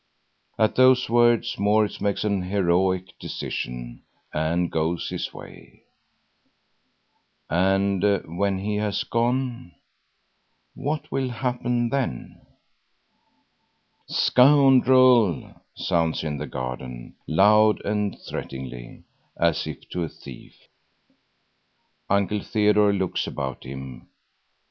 And at those words Maurits makes an heroic decision and goes his way. And when he has gone, what will happen then? "Scoundrel," sounds in the garden, loud and threateningly, as if to a thief. Uncle Theodore looks about him.